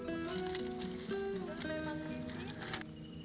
mereka juga menghubungi rumah mereka dengan berbahaya